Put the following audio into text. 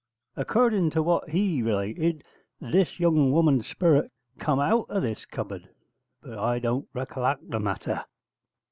According to what he related, this young woman's sperit come out of this cupboard: but I don't racollact the matter.'